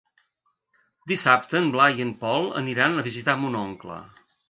Dissabte en Blai i en Pol aniran a visitar mon oncle.